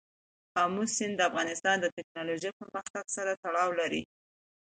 آمو سیند د افغانستان د تکنالوژۍ پرمختګ سره تړاو لري.